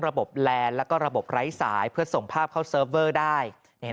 แลนด์แล้วก็ระบบไร้สายเพื่อส่งภาพเข้าเซิร์ฟเวอร์ได้